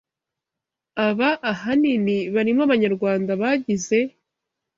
Aba ahanini barimo abanyarwanda bagize